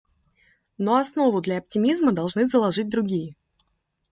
Но основу для оптимизма должны заложить другие.